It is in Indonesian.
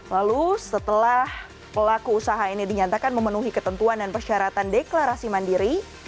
lalu setelah pelaku usaha ini dinyatakan memenuhi ketentuan dan persyaratan deklarasi mandiri